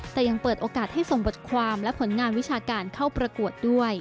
แต่ยังเปิดโอกาสให้ส่งบทความและผลงานวิชาการเข้าประกวดด้วย